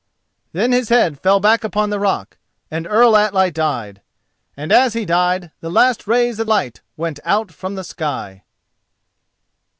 Then his head fell back upon the rock and Earl Atli died. And as he died the last rays of light went out of the sky.